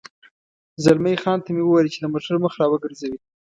زلمی خان ته مې وویل چې د موټر مخ را وګرځوي.